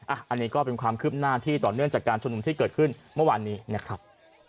อันนี้ก็เป็นความคืบหน้าที่ต่อเนื่องจากการชุมนุมที่เกิดขึ้นเมื่อวานนี้นะครับ